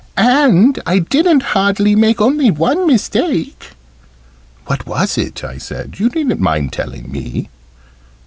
And I didn't hardly make only one mistake." "What was it?" I said. "You needn't mind telling me."